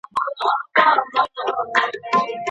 د هلکانو لیلیه بې له ځنډه نه پیلیږي.